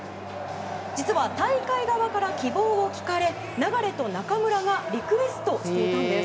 実は大会側から希望を聞かれ流と中村がリクエストしていたんです。